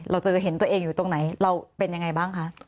เราเจอเห็นตัวเองอยู่ตรงไหนเราเป็นยังไงบ้างคะ